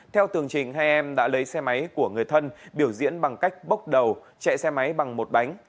theo tường trình hai em đã lấy xe máy của người thân biểu diễn bằng cách bốc đầu chạy xe máy bằng một bánh